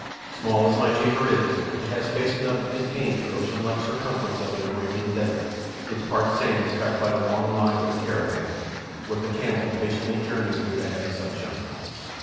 Small as my chamber is, it has space enough to contain the ocean like circumference of an Arabian desert, its parched sands tracked by the long line of a caravan, with the camels patiently journeying through the heavy sunshine.